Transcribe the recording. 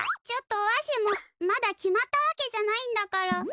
ちょっとわしもまだ決まったわけじゃないんだから。